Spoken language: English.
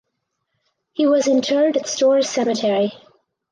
He was interred at Storrs Cemetery.